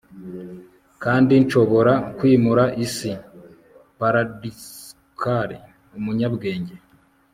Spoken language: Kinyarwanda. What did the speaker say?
kandi nshobora kwimura isi. paradoxical, umunyabwenge